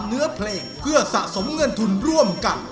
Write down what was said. เนื้อเพลงเพื่อสะสมเงินทุนร่วมกัน